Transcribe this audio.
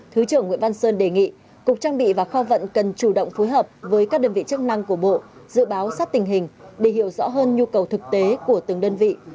thứ trưởng nguyễn văn sơn đề nghị cục trang bị và kho vận cần chủ động phối hợp với các đơn vị chức năng của bộ dự báo sát tình hình để hiểu rõ hơn nhu cầu thực tế của từng đơn vị